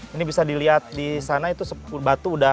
ini bisa dilihat di sana itu batu sudah kelihatan di tengah